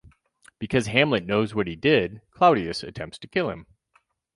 Because Hamlet knows what he did, Claudius attempts to kill him.